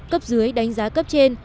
cấp dưới đánh giá cấp trên